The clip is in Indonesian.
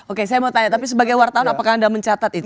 oke saya mau tanya tapi sebagai wartawan apakah anda mencatat itu